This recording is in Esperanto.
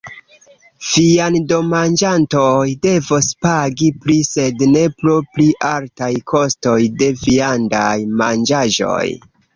Viandomanĝantoj devos pagi pli, sed ne pro pli altaj kostoj de viandaj manĝaĵoj.